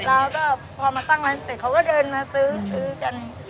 แล้วก็พอมาตั้งร้านเสร็จเขาก็เดินมาซื้อกัน